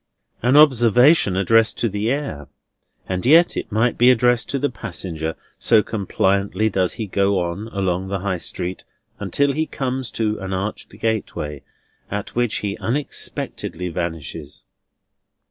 An observation addressed to the air, and yet it might be addressed to the passenger, so compliantly does he go on along the High Street until he comes to an arched gateway, at which he unexpectedly vanishes.